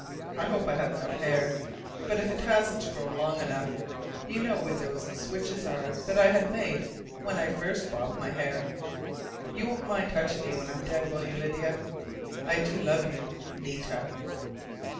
_ I hope I have enough hair, but if it hasn't grown long enough, you know where those switches are that I had made when I first bobbed my hair.... You won't mind touching me when I'm dead, will you, Lydia? I do love you.... Nita.'"